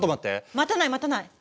待たない待たない。